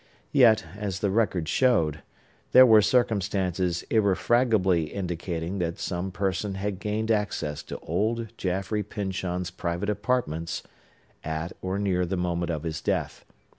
Yet, as the record showed, there were circumstances irrefragably indicating that some person had gained access to old Jaffrey Pyncheon's private apartments, at or near the moment of his death.